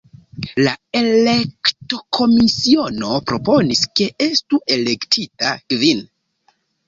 La elektokomisiono proponis, ke estu elektita kvin.